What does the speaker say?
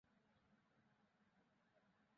তিনি ছাত্রদের মন জয় করে নিতেন খুব সহজেই।